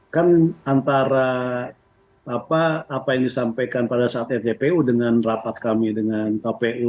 kan antara apa yang disampaikan pada saat rdpu dengan rapat kami dengan kpu